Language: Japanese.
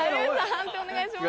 判定お願いします。